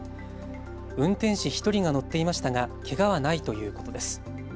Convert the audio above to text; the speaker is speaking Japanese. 運転士１人が乗っていましたがけがはないということです。